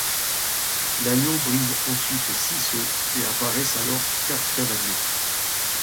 L'agneau brise ensuite six sceaux, et apparaissent alors quatre cavaliers.